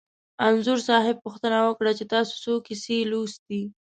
انځور صاحب پوښتنه وکړه چې تاسې څو کیسې لوستي.